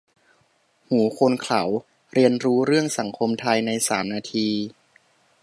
หูคนเขลา : เรียนรู้เรื่องสังคมไทยในสามนาที